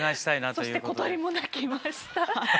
そして小鳥も鳴きました。